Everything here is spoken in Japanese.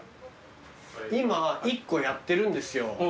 今１個やってるんですよ。